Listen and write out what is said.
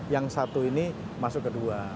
yang satu ini masuk kedua